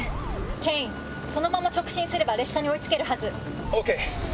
ケインそのまま直進すれば列車に追い付けるはず。ＯＫ！